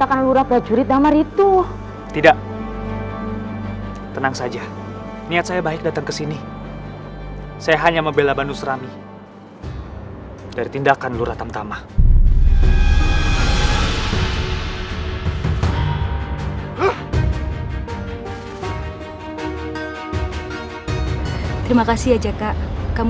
aku akan selalu menjagamu